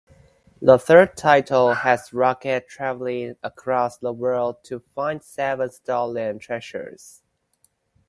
The third title has Rocket traveling across the world to find seven stolen treasures.